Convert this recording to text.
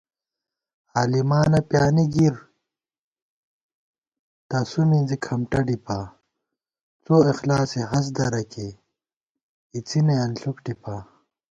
عالِمانہ پیانِی گِر، تسُو مِنزی کھمٹہ ڈِپا * څواخلاصےہست درہ کېئی اِڅِنےانݪُک ٹِپا